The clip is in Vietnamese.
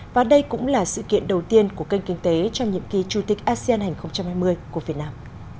và đây cũng là sự kiện đầu tiên của kênh kinh tế trong nhiệm kỳ chủ tịch asean hai nghìn hai mươi của việt nam